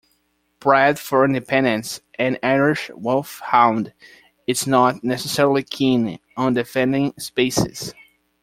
Bred for independence, an Irish Wolfhound is not necessarily keen on defending spaces.